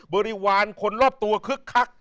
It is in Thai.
บริวารคนรอบตัวคึกคัก